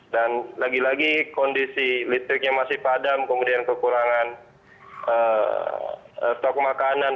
dan lagi lagi kondisi litriknya masih padam kemudian kekurangan stok makanan